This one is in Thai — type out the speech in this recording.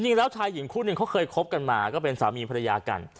จริงแล้วชายหญิงคู่หนึ่งเขาเคยคบกันมาก็เป็นสามีภรรยากัน